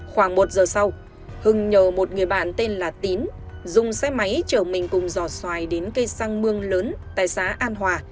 khoảng một giờ sau hưng nhờ một người bạn tên là tín dùng xe máy chở mình cùng giò xoài đến cây xăng mương lớn tại xã an hòa